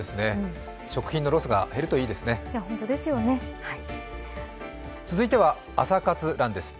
食品のロスが減るといいですね。